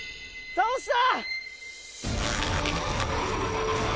倒した！